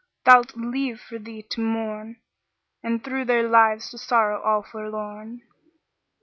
thou'lt leave for thee to mourn, * And through their lives to sorrow all forlorn."